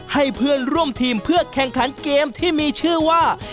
ให้เพื่อนร่วมทีมเพื่อแข่งขันเกมที่มีชื่อว่า